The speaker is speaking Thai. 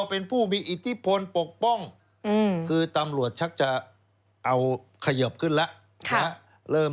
เป็นผู้มีอิทธิพลปกป้องคือตำรวจชักจะเอาเขยิบขึ้นแล้ว